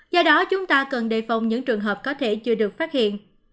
do đó chúng ta cần đề phòng những trường hợp có thể chưa được phát hiện